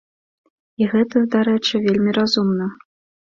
І гэта, дарэчы, вельмі разумна.